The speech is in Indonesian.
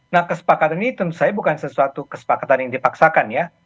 nah kesepakatan ini tentu saja bukan sesuatu kesepakatan yang dipaksakan ya